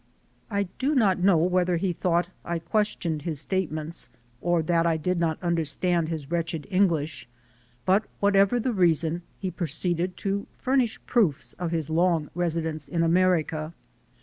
I do not know whether he thought I questioned his statements, or that I did not understand his wretched English, but whatever the reason, he proceeded to furnish proofs of his long residence in America.